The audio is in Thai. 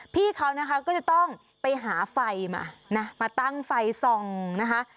พี่เขานะคะก็จะต้องไปหาไฟมานะมาตั้งไฟส่องนะคะ